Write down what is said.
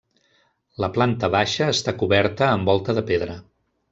La planta baixa està coberta amb volta de pedra.